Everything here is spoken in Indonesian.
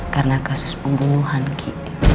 karena kasus pembunuhan ki